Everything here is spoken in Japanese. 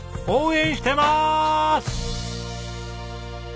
応援してます！